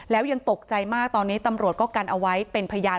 แล้วยังตกใจมากตอนนี้ตำรวจก็กันเอาไว้เป็นพยาน